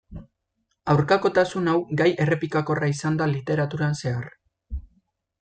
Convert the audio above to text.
Aurkakotasun hau gai errepikakorra izan da literaturan zehar.